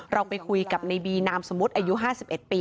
เราไปคุยกับในบีนามสมมุติอายุ๕๑ปี